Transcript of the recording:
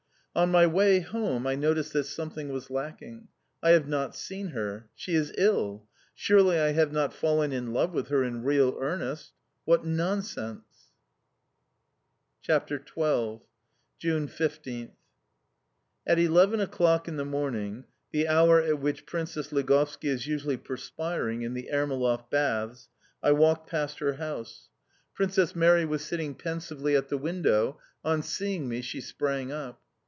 On my way home I noticed that something was lacking. I have not seen her! She is ill! Surely I have not fallen in love with her in real earnest?... What nonsense! CHAPTER XII. 15th June. AT eleven o'clock in the morning the hour at which Princess Ligovski is usually perspiring in the Ermolov baths I walked past her house. Princess Mary was sitting pensively at the window; on seeing me she sprang up.